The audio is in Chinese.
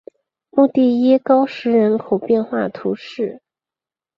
穆蒂耶高石人口变化图示